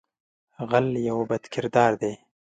غل یو بد کردار دی